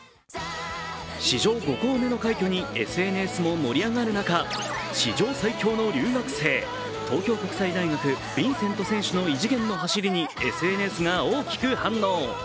史上５校目の快挙にＳＮＳも盛り上がる中、史上最強の留学生、東京国際大学、ヴィンセント選手の異次元の走りにＳＮＳが大きく反応。